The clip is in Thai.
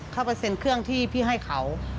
เปอร์เซ็นต์เครื่องที่พี่ให้เขา